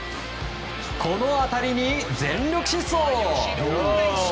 この当たりに全力疾走！